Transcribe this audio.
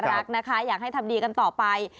รักนะคะอยากให้ทำดีกันต่อไป